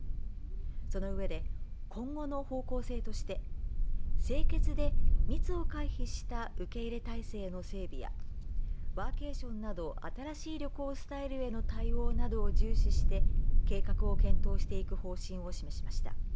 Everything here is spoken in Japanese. その上で、今後の方向性として清潔で、密を回避した受け入れ体制の整備やワーケーションなど新しい旅行スタイルへの対応などを重視して計画を検討していく方針を示しました。